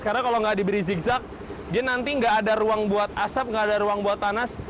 karena kalau nggak diberi zigzag dia nanti nggak ada ruang buat asap nggak ada ruang buat tanas